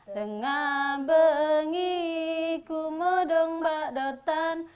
tengah bengi kumodong bak dotan